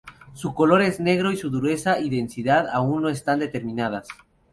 Su color es negro, y su dureza y densidad aún no están determinadas.